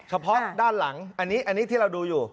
เฉพาะด้านหลังอันนี้ที่เราดูอยู่